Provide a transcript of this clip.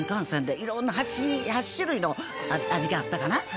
いろんな８種類の味があったかな。